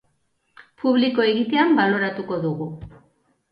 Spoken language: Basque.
Publiko egitean baloratuko dugu.